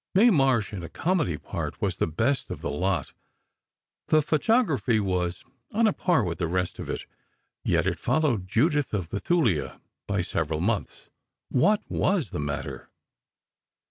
Mae Marsh in a comedy part, was the best of the lot. The photography was on a par with the rest of it. Yet it followed "Judith of Bethulia" by several months. What was the matter?